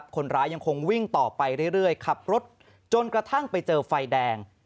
คนร้ายยังคงวิ่งต่อไปเรื่อยขับรถจนกระทั่งไปเจอไฟแดง